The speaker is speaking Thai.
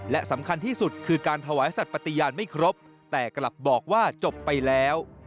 และสำคัญที่สุดคือการถวายสัตว์ปฏิญาณไม่ครบแต่กลับบอกว่าจบไปแล้ว